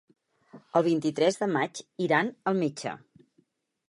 El vint-i-tres de maig iran al metge.